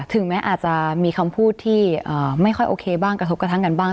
ถึงแม้อาจจะมีคำพูดที่ไม่ค่อยโอเคบ้างกระทบกระทั่งกันบ้าง